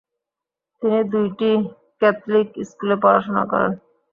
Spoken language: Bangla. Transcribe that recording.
তিনি দুইটি ক্যাথলিক স্কুলে পড়াশোনা করেন।